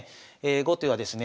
後手はですね